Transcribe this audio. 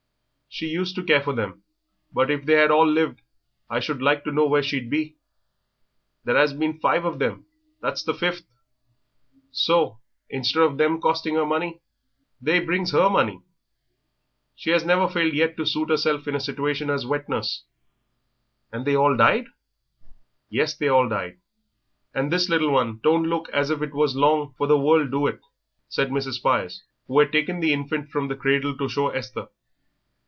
"She used to care for them, but if they had all lived I should like to know where she'd be. There 'as been five of them that's the fifth so, instead of them a costing 'er money, they brings 'er money. She 'as never failed yet to suit 'erself in a situation as wet nurse." "And they all died?" "Yes, they all died; and this little one don't look as if it was long for the world, do it?" said Mrs. Spires, who had taken the infant from the cradle to show Esther.